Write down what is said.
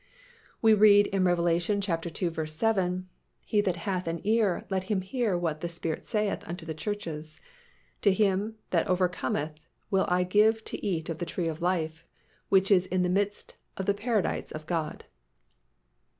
We read in Rev. ii. 7, "He that hath an ear, let him hear what the Spirit saith unto the churches; To him that overcometh will I give to eat of the tree of life, which is in the midst of the paradise of God."